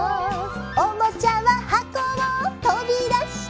「おもちゃははこをとびだして」